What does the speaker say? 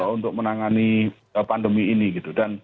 untuk menangani pandemi ini gitu